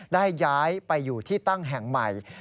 ได้ย้ายไปอยู่ที่ตั้งแห่งใหม่